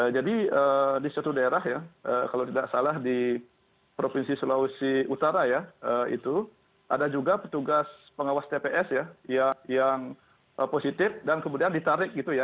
jadi di suatu daerah ya kalau tidak salah di provinsi sulawesi utara ya itu ada juga petugas pengawas tps ya yang positif dan kemudian ditarik gitu ya